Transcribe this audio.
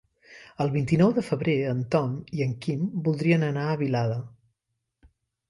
El vint-i-nou de febrer en Tom i en Quim voldrien anar a Vilada.